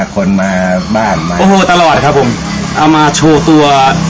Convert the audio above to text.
เคยพาคนมาบ้านไหม